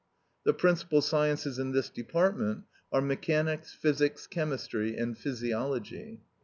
The principal sciences in this department are mechanics, physics, chemistry, and physiology.